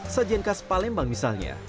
sajian khas palembang misalnya